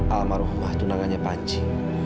almarhumah tunangannya panji